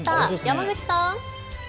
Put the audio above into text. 山口さん。